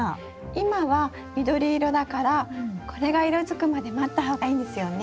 今は緑色だからこれが色づくまで待った方がいいんですよね？